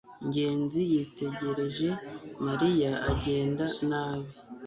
ngenzi yitegereje mariya agenda nabi